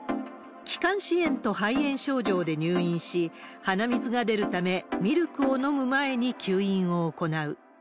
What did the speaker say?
気管支炎と肺炎症状で入院し、鼻水が出るため、ミルクを飲む前に吸引を行う。